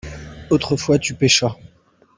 autrefois tu pêchas.